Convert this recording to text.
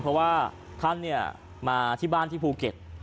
เพราะว่าท่านมาที่บ้านที่ภูเก็ต